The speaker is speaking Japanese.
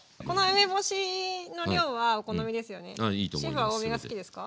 シェフは多めが好きですか？